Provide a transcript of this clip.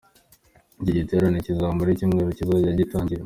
Iki giterane kizamara icyumweru kizajya gitangira.